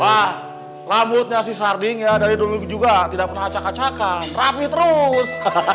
pak rambutnya si sarding dari dulu juga tidak pernah acak acakan rapih terus